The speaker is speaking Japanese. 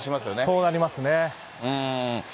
そうなりますね。